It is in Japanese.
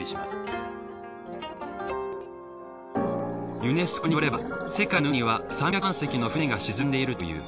ユネスコによれば世界の海には３００万隻の船が沈んでいるという。